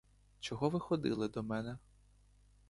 Чого ви ходили до мене?